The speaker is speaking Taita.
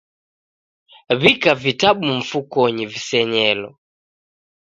W'ika vitabu mfukonyi visenyelo